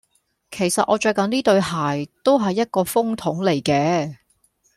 其實我著緊呢對鞋，都係一個風筒嚟嘅